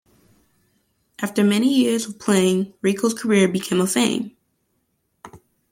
After many years of playing Rico's career became a fame!